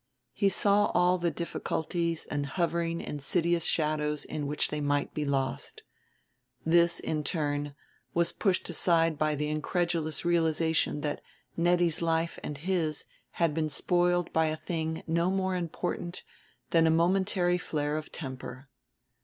He saw all the difficulties and hovering insidious shadows in which they might be lost. This, in turn, was pushed aside by the incredulous realization that Nettie's life and his had been spoiled by a thing no more important than a momentary flare of temper.